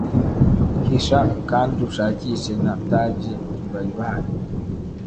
Hisha kandi ushakishe na tagi bari bahari